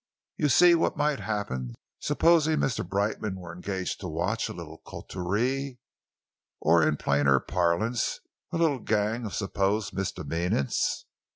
You see what might happen, supposing Mr. Brightman were engaged to watch a little coterie, or, in plainer parlance, a little gang of supposed misdemeanants.